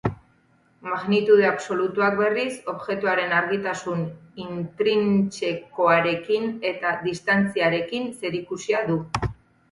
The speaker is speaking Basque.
Magnitude absolutuak, berriz, objektuaren argitasun intrintsekoarekin eta distantziarekin zerikusia du.